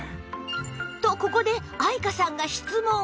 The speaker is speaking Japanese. とここで愛華さんが質問